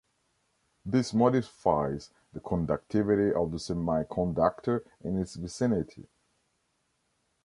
This modifies the conductivity of the semiconductor in its vicinity.